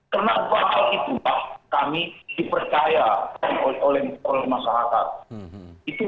karena bahwa itu kami dipercaya oleh masyarakat